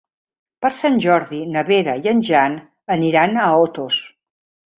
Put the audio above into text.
Per Sant Jordi na Vera i en Jan aniran a Otos.